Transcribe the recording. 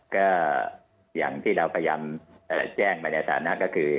ก็อย่างที่เราพยายามแจ้งไปในฐานะก็คือ